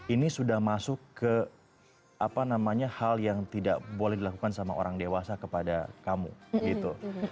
ini sudah masuk ke apa namanya hal yang tidak boleh dilakukan sama orang dewasa kepada kamu gitu